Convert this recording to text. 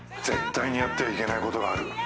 「絶対にやってはいけないことがある」